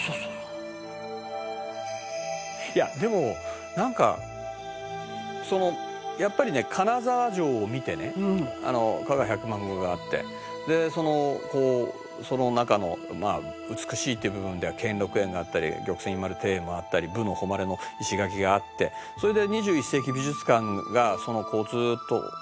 「いやでもなんかやっぱりね金沢城を見てね加賀百万石があってでそのその中の美しいっていう部分では兼六園だったり玉泉院丸庭園もあったり武のほまれの石垣があってそれで２１世紀美術館がずーっとあってそれを見て」